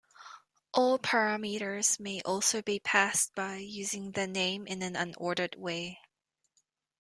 All parameters may also be passed by using their name in an unordered way.